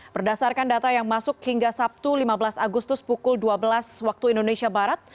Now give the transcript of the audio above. berdasarkan data yang masuk hingga sabtu lima belas agustus pukul dua belas waktu indonesia barat